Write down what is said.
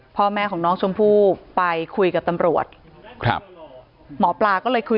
พ่อแม่ของน้องชมพู่ไปคุยกับตำรวจครับหมอปลาก็เลยคุย